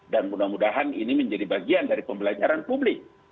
dan mudah mudahan ini menjadi bagian dari pembelajaran publik